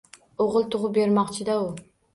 O`g`il tug`ib bermoqchi-da u